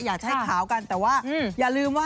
อยากจะให้ขาวกันแต่ว่าอย่าลืมว่า